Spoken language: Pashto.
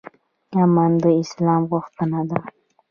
امن د اسلام غوښتنه ده